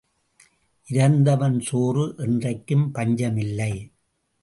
இரந்தவன் சோறு என்றைக்கும் பஞ்சம் இல்லை.